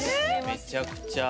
めちゃくちゃ。